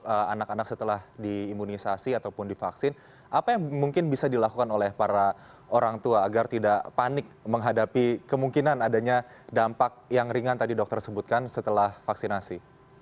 untuk anak anak setelah diimunisasi ataupun divaksin apa yang mungkin bisa dilakukan oleh para orang tua agar tidak panik menghadapi kemungkinan adanya dampak yang ringan tadi dokter sebutkan setelah vaksinasi